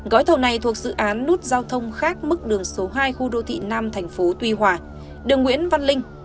gói thầu này thuộc dự án nút giao thông khác mức đường số hai khu đô thị nam tp tuy hòa đường nguyễn văn linh